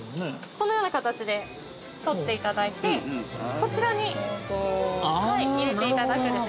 ◆このような形で取っていただいて、こちらに入れていただくんです。